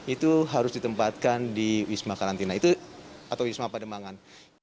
itu harus ditempatkan di wisma karantina itu atau wisma pademangan